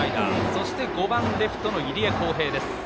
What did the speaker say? そして、５番レフトの入江航平。